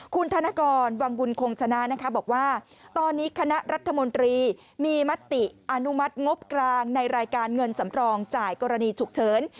คุณธนกรวังบุญคงชนะนะคะบอกว่าตอนนี้คณะรัฐมนตรีมีมติอนุมัติงบกลางในรายการเงินสำรองจ่ายกรณีฉุกเฉิน